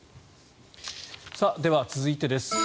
では、続いてです。